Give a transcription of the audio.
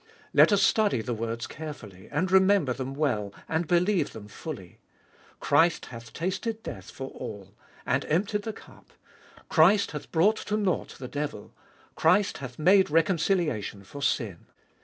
Let us study the words carefully, and remember them well, and believe them fully : Christ hath tasted death for all, and emptied the cup ; Christ hath brought to nought the devil ; Christ hath made reconciliation for sin.